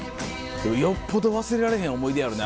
よっぽど忘れられへん思い出やろね。